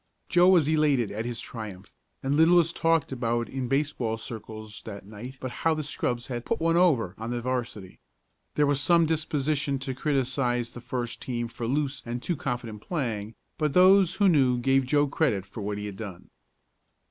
Joe was elated at his triumph, and little was talked of in baseball circles that night but how the scrubs had "put one over" on the 'varsity. There was some disposition to criticize the first team for loose and too confident playing, but those who knew gave Joe credit for what he had done.